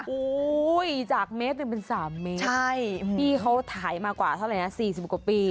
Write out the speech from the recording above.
โอ้ยจาก๑เมตรเป็น๓เมตรพี่เขาถ่ายมากว่าเท่าไรนะ๔๐กว่าปี